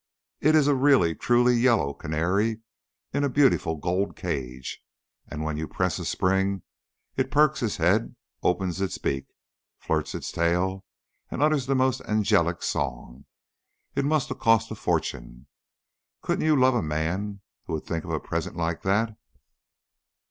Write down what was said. It is a really, truly yellow canary in a beautiful gold cage, and when you press a spring it perks its head, opens its beak, flirts its tail, and utters the most angelic song. It must have cost a fortune. Couldn't you love a man who would think of a present like that?"